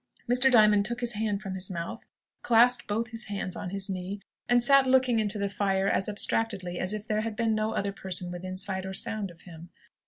Mr. Diamond took his hand from his mouth, clasped both hands on his knee, and sat looking into the fire as abstractedly as if there had been no other person within sight or sound of him.